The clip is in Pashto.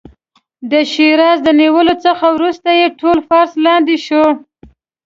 د شیراز د نیولو څخه وروسته یې ټول فارس لاندې شو.